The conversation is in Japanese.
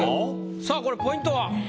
さあこれポイントは？